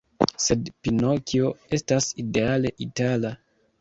Sed Pinokjo estas ideale itala.